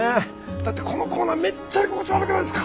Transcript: だってこのコーナーめっちゃ居心地悪くないですか？